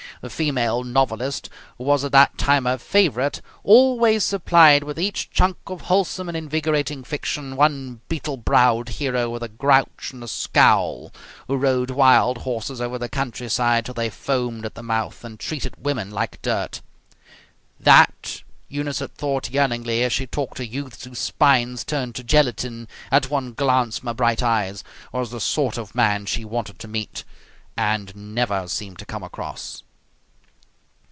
The female novelist who was at that time her favourite always supplied with each chunk of wholesome and invigorating fiction one beetle browed hero with a grouch and a scowl, who rode wild horses over the countryside till they foamed at the mouth, and treated women like dirt. That, Eunice had thought yearningly, as she talked to youths whose spines turned to gelatine at one glance from her bright eyes, was the sort of man she wanted to meet and never seemed to come across.